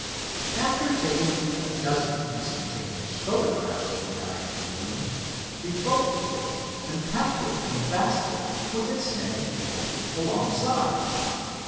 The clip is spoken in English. After taking a dozen instantaneous photographs of the dying balloon we folded it and packed it in the basket with its netting folded alongside.